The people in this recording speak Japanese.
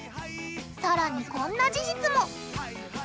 さらにこんな事実も！